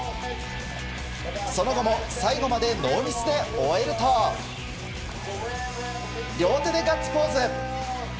その後も最後までノーミスで終えると両手でガッツポーズ！